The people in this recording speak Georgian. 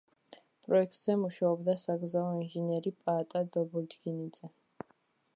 პროექტზე მუშაობდა საგზაო ინჟინერი პაატა დობორჯგინიძე.